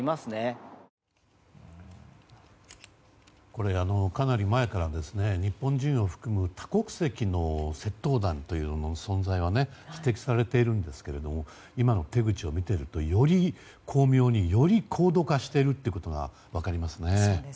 これ、かなり前から日本人を含む多国籍の窃盗団という存在が指摘されているんですけども今の手口を見ているとより巧妙により高度化しているということが分かりますね。